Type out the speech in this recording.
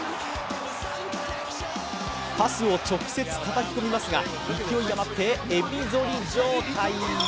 パスを直接たたき込みますが、勢いあまってエビ反り状態。